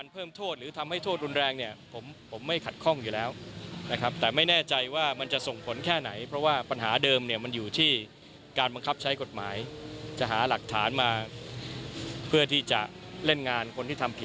เป็นยาแรงขาดเกินไป